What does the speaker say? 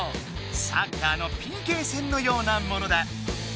サッカーのＰＫ戦のようなものだ。